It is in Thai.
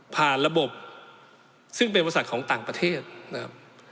ระบบซึ่งเป็นบริษัทของต่างประเทศนะครับ